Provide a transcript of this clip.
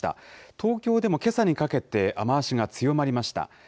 東京でもけさにかけて、雨足が強まりました。